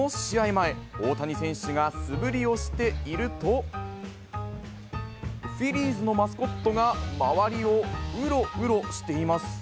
前、大谷選手が素振りをしていると、フィリーズのマスコットが周りをうろうろしています。